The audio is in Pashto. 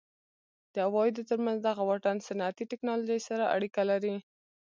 د عوایدو ترمنځ دغه واټن صنعتي ټکنالوژۍ سره اړیکه لري.